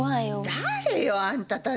誰よ？あんたたち。